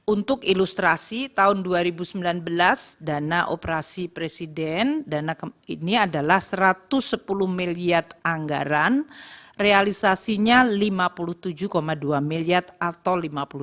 untuk ilustrasi tahun dua ribu sembilan belas dana operasi presiden dana ini adalah satu ratus sepuluh miliar anggaran realisasinya lima puluh tujuh dua miliar atau lima puluh delapan